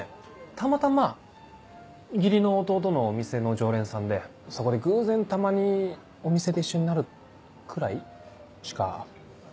たまたま義理の弟のお店の常連さんでそこで偶然たまにお店で一緒になるくらいしか。